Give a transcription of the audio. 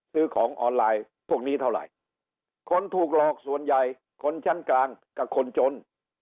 ซื้อของออนไลน์พวกนี้เท่าไหร่คนถูกหลอกส่วนใหญ่คนชั้นกลางกับคนจน